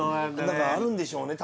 何かあるんでしょうね